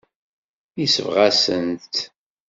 Yesbeɣ-asent-t.